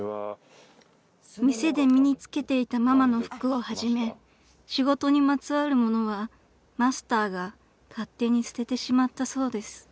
［店で身に着けていたママの服をはじめ仕事にまつわる物はマスターが勝手に捨ててしまったそうです］